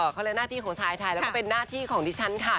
เขาเรียกหน้าที่ของชายไทยแล้วก็เป็นหน้าที่ของดิฉันค่ะ